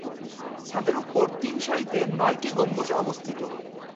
ছাদের উপর তিন সারিতে নয়টি গম্বুজ অবস্থিত।